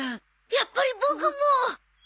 やっぱりボクも！